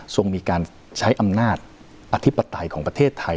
ทรงมีการใช้อำนาจอธิบัติ